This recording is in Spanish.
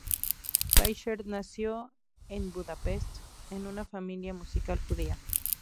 Fischer nació en Budapest en una familia musical judía.